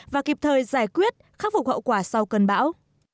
và kịp thời giải quyết khắc phục hậu quả sau cơn bão